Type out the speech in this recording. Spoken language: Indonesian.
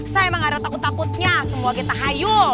saya emang nggak ada takut takutnya semua kita hayul